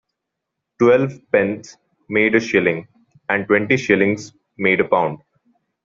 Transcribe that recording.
Twelve pence made a shilling, and twenty shillings made a pound.